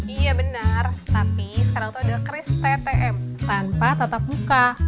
iya benar tapi sekarang tuh ada kris ptm tanpa tetap muka